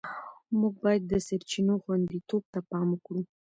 موږ باید د سرچینو خوندیتوب ته پام وکړو.